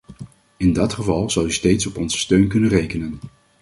In dat geval zal u steeds op onze steun kunnen rekenen.